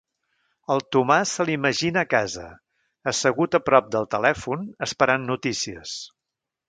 El Tomàs se l'imagina a casa, assegut a prop del telèfon, esperant notícies.